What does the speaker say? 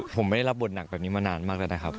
ผมไม่ได้รับบทหนักแบบนี้มานานมากแล้วนะครับ